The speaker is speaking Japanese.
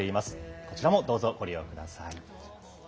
こちらもどうぞご利用ください。